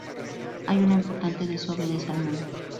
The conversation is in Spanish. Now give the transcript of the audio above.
Hay una importante desove de salmón.